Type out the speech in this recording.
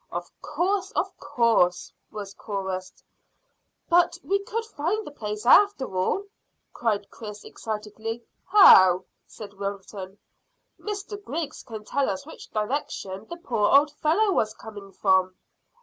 "Of course of course!" was chorused. "But we could find the place, after all," cried Chris excitedly. "How?" said Wilton. "Mr Griggs can tell us which direction the poor old fellow was coming from."